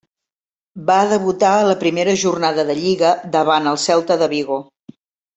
Va debutar a la primera jornada de lliga davant del Celta de Vigo.